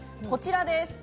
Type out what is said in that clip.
こちらです。